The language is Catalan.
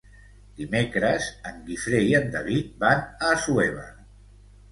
Dimecres en Guifré i en David van a Assuévar.